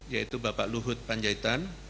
yaitu bapak luhut panjaitan